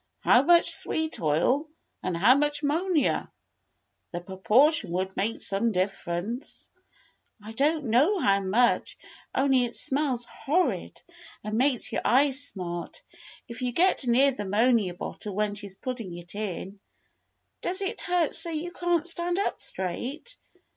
How much sweet oil and how much 'monia? The proportion would make some differ ence." "I don't know how much, only it smells horrid and makes your eyes smart, if you get near the 'monia bottle when she's putting it in. Does it hurt so you can't stand up straight.